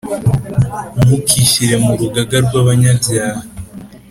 Ntukishyire mu rugaga rw’abanyabyaha,